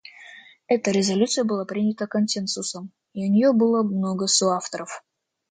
Эта резолюция была принята консенсусом, и у нее было много соавторов.